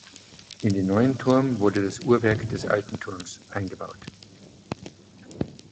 In den neuen Turm wurde das Uhrwerk des alten Turms eingebaut.